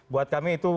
buat kami itu